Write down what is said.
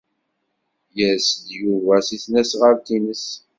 Yers-d Yuba seg tesnasɣalt-nnes.